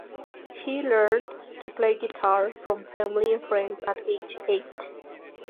He learned to play the guitar from family and friends at age eight.